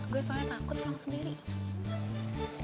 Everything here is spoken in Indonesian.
gue soalnya takut pulang sendiri